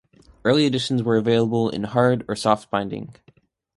Early editions were available in hard or soft binding.